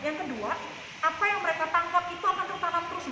yang kedua apa yang mereka tangkap itu akan tertangkap terus